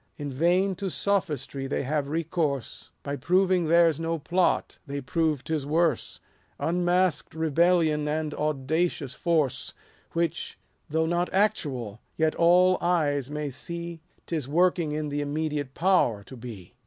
In vain to sophistry they have recourse : By proving theirs no plot, they prove 'tis worse — 220 Unmask'd rebellion, and audacious force : Which, though not actual, yet all eyes may see 'Tis working in the immediate power to be.